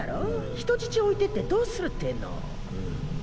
人質置いてってどうするってぇの。